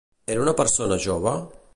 Era una persona jove?